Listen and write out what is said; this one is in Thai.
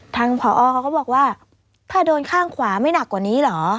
ทางผอเขาก็บอกว่าถ้าโดนข้างขวาไม่หนักกว่านี้เหรอ